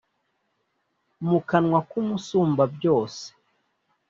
Mu kanwa k’Umusumbabyose